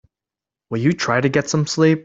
Will you try to get some sleep?